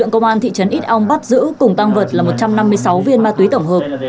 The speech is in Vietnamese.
công an thị trấn ít ong bắt giữ cùng tăng vật là một trăm năm mươi sáu viên ma túy tổng hợp